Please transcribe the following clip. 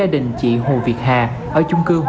bên kia là trung cư